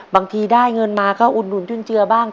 บางทีได้เงินมาก็อุดหนุนจุนเจือบ้าง